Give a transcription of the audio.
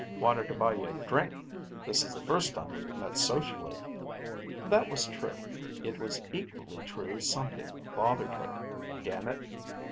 "Wanted to buy you a drink. This is the first time we've met socially." That was true; it was equally true something bothered her. Damn it!